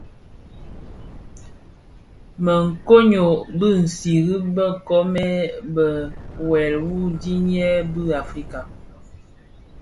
Më koň ňyô bi siri bë nkoomèn bë, wuèl wu ndiňyèn bi Africa.